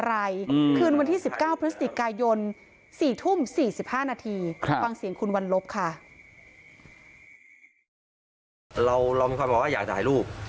เรามีความบอกว่าอยากถ่ายรูป